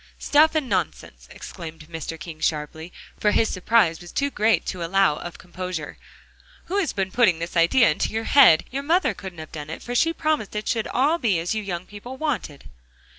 "Stuff and nonsense!" exclaimed Mr. King sharply, for his surprise was too great to allow of composure, "who has been putting this idea into your head? Your mother couldn't have done it, for she promised it should all be as you young people wanted."